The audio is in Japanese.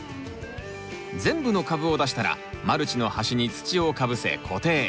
全部の株を出したらマルチの端に土をかぶせ固定。